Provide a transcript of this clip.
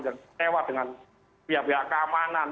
kecewa dengan pihak pihak keamanan